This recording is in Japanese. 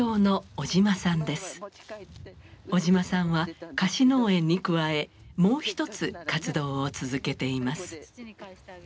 小島さんは貸し農園に加えもう一つ活動を続けています。